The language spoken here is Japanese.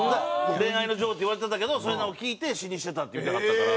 恋愛の女王って言われてたけどそういうのを聞いて詞にしてたって言うてはったから。